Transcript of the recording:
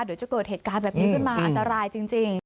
เดี๋ยวจะเกิดเหตุการณ์แบบนี้ขึ้นมาอันตรายจริง